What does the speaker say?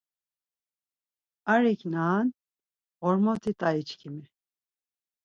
Arik na an, Ğormoti taiçkimi!